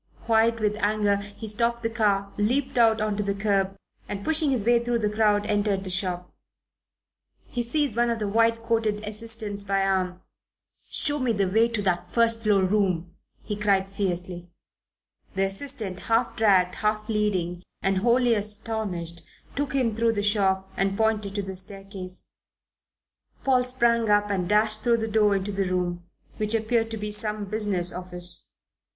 White with anger, he stopped the car, leaped out on to the curb, and pushing his way through the crowd, entered the shop. He seized one of the white coated assistants by the arm. "Show me the way to that first floor room," he cried fiercely. The assistant, half dragged, half leading, and wholly astonished, took him through the shop and pointed to the staircase. Paul sprang up and dashed through the door into the room, which appeared to be some business office.